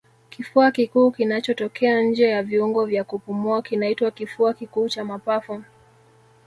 Kifua kikuu kinachotokea nje ya viungo vya kupumua kinaitwa kifua kikuu cha mapafu